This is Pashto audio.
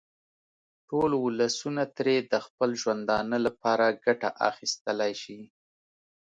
ټول ولسونه ترې د خپل ژوندانه لپاره ګټه اخیستلای شي.